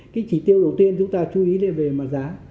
cái chỉ tiêu đầu tiên chúng ta chú ý là về mặt giá